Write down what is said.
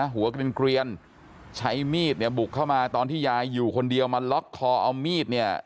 หัวเกลียนใช้มีดเนี่ยบุกเข้ามาตอนที่ยายอยู่คนเดียวมาล็อกคอเอามีดเนี่ย